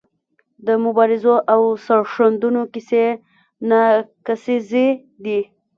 د مبارزو او سرښندنو کیسې ناکیسیزې دي.